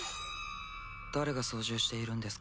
誰が操縦しているんですか？